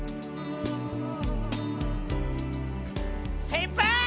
先輩！